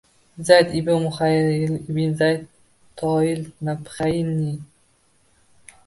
Zayd ibn Muhayhil ibn Zayd Toiy, Nabhaniy